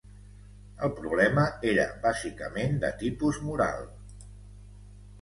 El problema era bàsicament de tipus moral.